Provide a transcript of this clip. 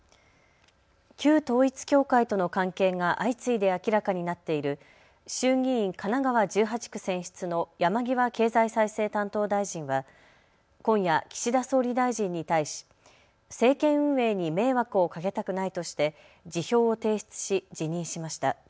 旧統一教会との関係が相次いで明らかになっている衆議院神奈川１８区選出の山際経済再生担当大臣は今夜、岸田総理大臣に対し政権運営に迷惑をかけたくないとして辞表を提出し辞任しました。